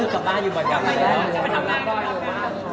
ทำบ้าอยู่บนกล่อง